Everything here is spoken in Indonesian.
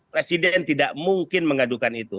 presiden tidak mungkin mengadukan itu